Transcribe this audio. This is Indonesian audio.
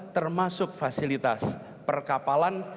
termasuk fasilitas perkapalan